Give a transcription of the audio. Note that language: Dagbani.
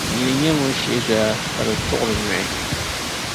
Nyini n-nyɛ ŋun shihi zoya, ka di tuɣiri nyɔhi.